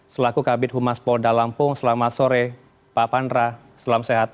selaku kabit humas pol dalampung selamat sore pak pandera selamat sehat